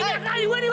ini akali gua nih